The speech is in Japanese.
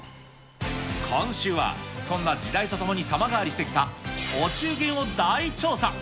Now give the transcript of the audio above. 今週は、そんな時代とともに様変わりしてきたお中元を大調査。